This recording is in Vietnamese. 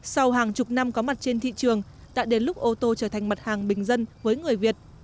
sau hàng chục năm có mặt trên thị trường đã đến lúc ô tô trở thành mặt hàng bình dân với người việt